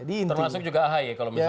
termasuk juga ahaya